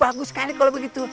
bagus sekali kalau begitu